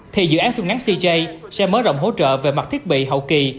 thì dự án phim ngắn cj sẽ mở rộng hỗ trợ về mặt thiết bị hậu kỳ